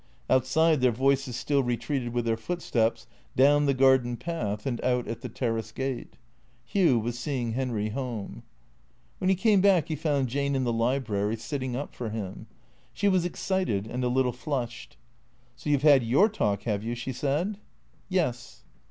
Outside their voices still retreated with their footsteps, down the garden path, and out at the terrace gate. Hugh was seeing Henry home. When he came back he found Jane in the library, sitting up for him. She was excited and a little flushed. " So you 've had your talk, have you ?" she said. « Yes."